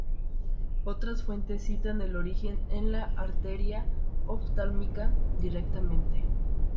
Otras fuentes citan el origen en la arteria oftálmica directamente.